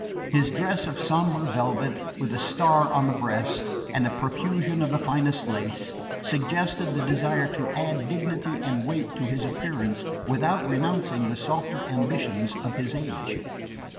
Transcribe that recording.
His dress of sombre velvet, with a star on the breast, and a profusion of the finest lace, suggested the desire to add dignity and weight to his appearance without renouncing the softer ambitions of his age.